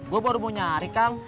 gue baru mau nyari kang